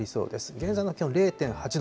現在の気温０．８度。